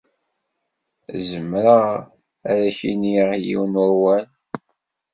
Zemreɣ ad ak-iniɣ yiwen n wawal?